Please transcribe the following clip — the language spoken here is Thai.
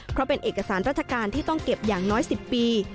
เพราะเป็นเอกสารราชการที่ต้องเก็บอย่างน้อย๑๐ปี